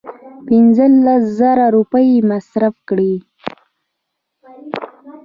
پنځه لس زره روپۍ یې مصرف کړې.